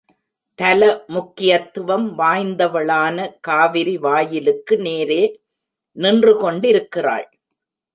தல முக்கியத்துவம் வாய்ந்தவளான காவிரி வாயிலுக்கு நேரே நின்று கொண்டிருக்கிறாள்.